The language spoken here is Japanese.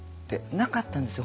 なかったんですよ